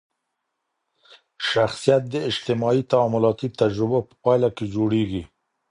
شخصیت د اجتماعي تعاملاتي تجربو په پایله کي جوړېږي.